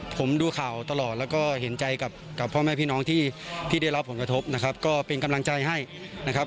ผมดูข่าวตลอดแล้วก็เห็นใจกับพ่อแม่พี่น้องที่ได้รับผลกระทบนะครับก็เป็นกำลังใจให้นะครับ